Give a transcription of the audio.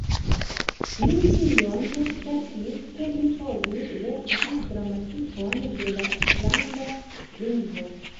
Li tiom spertis ke li povis verki gramatikon de la islanda lingvo.